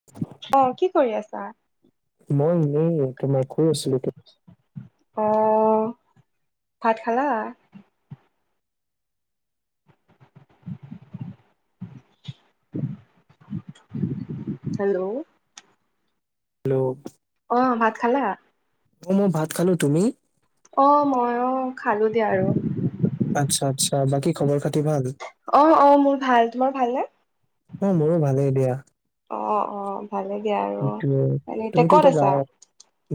[unintelligible] অহ, কি কৰি আছা? মই এনেই তোমাৰ শুই আছিলো অহ, ভাত খালা? [unintelligible] হেল্ল'। হেল্ল'। অ ভাত খালা? অ মই ভাত খালো তুমি? অ মইও খালো দিয়া আৰু আতচ্ছা আতচ্ছা বাকী খবৰ খাতি ভাল? অ অ মোৰ ভাল তোমাৰ ভালনে? অ মোৰো ভালেই দিয়া অ অ ভালে দিয়া আৰু কিন্তু এনে এতিয়া তুমিতো ক'ত আছা? গাঁৱ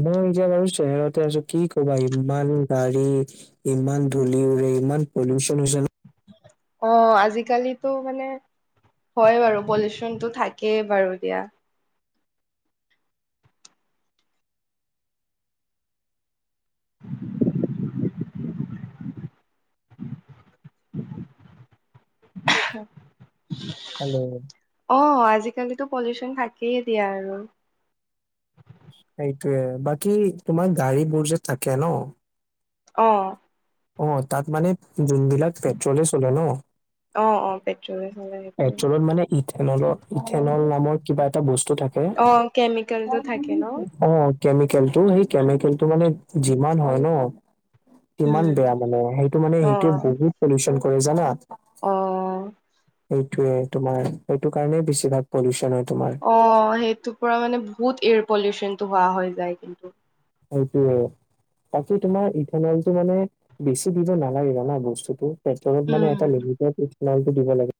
মই এতিয়া বাৰু চেহৰতে আছো কি কবা ইমান গাড়ী ইমান ধূলি উৰে ইমান পলিউচন হৈছে ন অ আজিকালিটো মানে হয় বাৰু পলিউচনটো থাকেই বাৰু দিয়া [unintelligible] [unintelligible] হেল্ল' অ আজিকালিতো পলিউচন থাকেই দিয়া আৰু সেইটোয়ে বাকী তোমাৰ গাড়ী বোৰ যে থাকে ন অ অ তাত মানে যোনবিলাক পেট্ৰলে চলে ন অ অ পেট্ৰলে চলে সেইবোৰ পেট্ৰলত মানে ইথেনলৰ ইথেনল নামৰ কিবা এটা বস্তু থাকে অ কেমিকেলটো থাকে ন অ কেমিকেল টো সেই কেমিকেলটো মানে যিমান হয় ন কিমান উম বেয়া মানে সেইটো মানে অ সেইটোৱে বহুত পলিউচন কৰে জানা? অ এইটোৱে তোমাৰ এইটো কাৰণেই বেছিভাগ পলিউচন হয় তোমাৰ অ সেইটোৰ পৰা মানে বহুত এয়াৰ পলিউচনটো হোৱা হৈ যায় কিন্তু সেইটোৱে বাকী তোমাৰ ইথানলটো মানে বেছি দিব নালাগে জানা বস্তুটো পেট্ৰলত মানে এটা উম। লিমিটত ইথানলটো দিব লাগে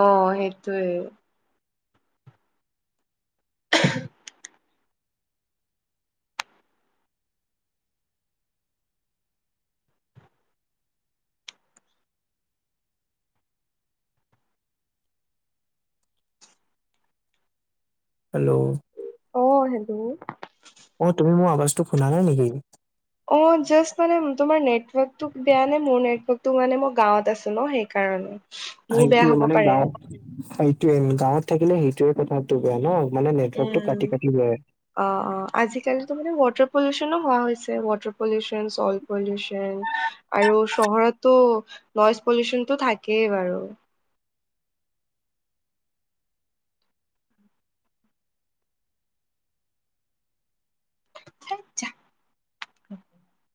অ সেইটোয়ে [unintelligible] হেল্ল' অ হেল্ল' অ তুমি মোৰ আৱাজটো শুনা নাই নেকি? অ জাষ্ট মানে তোমাৰ নেটৱৰ্কটো বেয়া নে মোৰ নেটৱৰ্কটো মানে মোৰ গাঁৱত আছো ন সেইকাৰণে মোৰ বেয়া সেইটোৱে হব মানে পাৰে গাঁৱত সেইটোৱে গাঁৱত থাকিলে সেইটোৱে কথাটো বেয়া ন মানে নেটৱৰ্কটো উম। কাটি কাটি যায় অ অ আজিকালিতো মানে ৱাটাৰ পলিউচনো হোৱা হৈছে ৱাটাৰ পলিউচ চন চইল পলিউচন আৰু চহৰতটো নইজ পলিউচনটো থাকেই বাৰু [unintelligible]